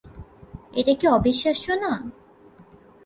এটা কি অবিশ্বাস্য না?